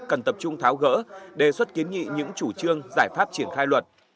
cần tập trung tháo gỡ đề xuất kiến nghị những chủ trương giải pháp triển khai luật